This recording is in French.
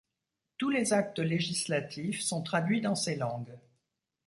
Tous les actes législatifs sont traduits dans ces langues.